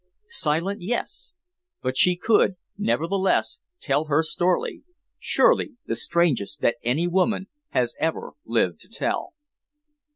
Silent, yes! But she could, nevertheless, tell her story surely the strangest that any woman has ever lived to tell.